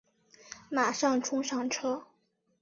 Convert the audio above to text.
马上冲上车